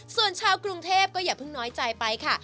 ส่วนชาวกรุงเทพก็อย่าเพิ่งน้อยใจไปค่ะ